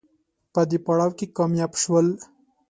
په دې پړاو کې کامیاب شول